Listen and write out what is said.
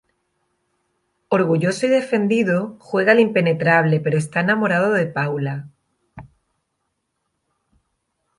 Orgulloso y defendido, juega al impenetrable pero está enamorado de Paula.